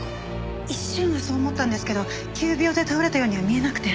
一瞬はそう思ったんですけど急病で倒れたようには見えなくて。